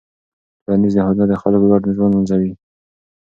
ټولنیز نهادونه د خلکو ګډ ژوند منظموي.